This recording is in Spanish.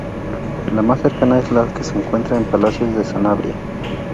La más cercana es la que se encuentra en Palacios de Sanabria.